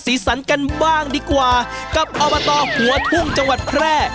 สันกันบ้างดีกว่ากับอบตหัวทุ่งจังหวัดแพร่